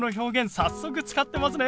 早速使ってますね。